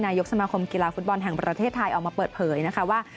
นายกสมาคมกีฬาฟุตบอลแห่งประเทศไทยออกมาเปิดเผยนะคะว่า